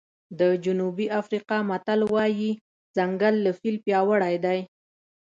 د جنوبي افریقا متل وایي ځنګل له فیل پیاوړی دی.